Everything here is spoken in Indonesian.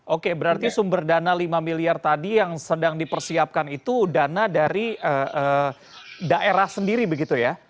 oke berarti sumber dana lima miliar tadi yang sedang dipersiapkan itu dana dari daerah sendiri begitu ya